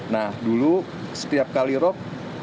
nah dulu setiap kali rop